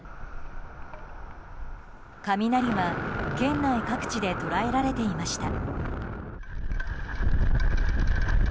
雷は県内各地で捉えられていました。